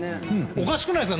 おかしくないですか？